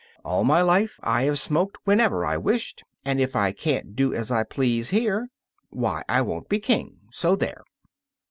All my life I have smoked whenever I wished, and if I can't do as I please here, why, I won't be king so there!"